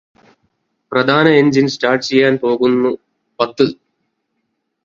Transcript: പ്രധാന engine start ചെയ്യാൻ പോകുന്നു പത്ത്